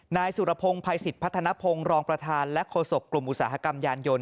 นายสุรพงศ์ภัยสิทธิพัฒนภงรองประธานและโฆษกกลุ่มอุตสาหกรรมยานยนต